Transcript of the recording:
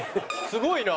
すごいな。